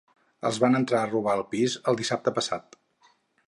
Els van entrar a robar al pis el dissabte passat